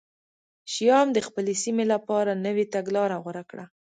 شیام د خپلې سیمې لپاره نوې تګلاره غوره کړه